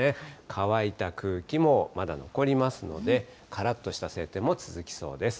乾いた空気もまだ残りますので、からっとした晴天も続きそうです。